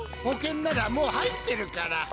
保険ならもう入ってるから。